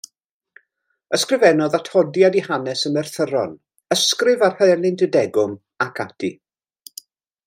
Ysgrifennodd atodiad i Hanes y Merthyron, ysgrif ar Helynt y Degwm, ac ati.